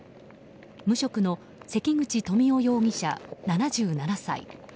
無職の関口富夫容疑者、７７歳。